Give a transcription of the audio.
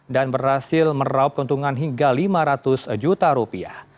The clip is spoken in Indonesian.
dan berhasil meraup keuntungan hingga lima ratus juta rupiah